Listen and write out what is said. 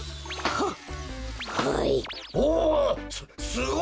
はっ！